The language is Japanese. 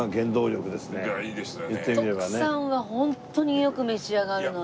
徳さんはホントによく召し上がるので。